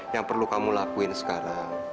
yang perlu kamu lakuin sekarang